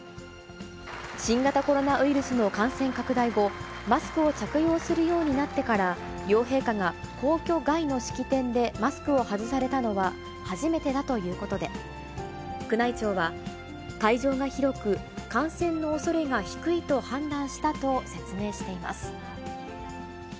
新型コロナウイルスの感染拡大後、マスクを着用するようになってから、両陛下が皇居外の式典でマスクを外されたのは初めてだということで、宮内庁は、会場が広く、感染のおそれが低いと判断したと説明しています。